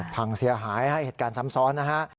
พังเสียหายเป็นเหตุการณ์ซ้ำซ้อน